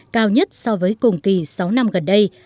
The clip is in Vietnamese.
cao nhất so với cùng kỳ sáu năm gần đây